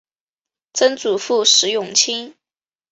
曾祖父石永清。